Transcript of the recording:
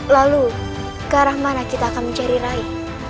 lalu ke arah mana kita akan mencari rai